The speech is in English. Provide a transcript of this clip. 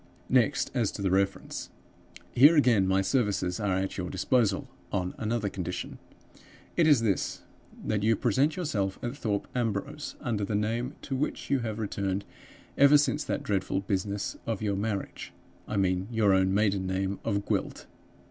"Next, as to the reference. "Here, again, my services are at your disposal, on another condition. It is this: that you present yourself at Thorpe Ambrose, under the name to which you have returned ever since that dreadful business of your marriage; I mean your own maiden name of Gwilt.